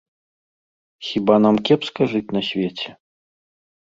Хіба нам кепска жыць на свеце?